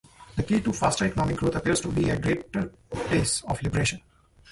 The key to faster economic growth appears to be a greater pace of liberalization.